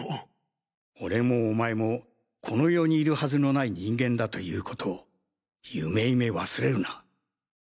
俺もお前もこの世にいるはずのない人間だという事をゆめゆめ忘れるな。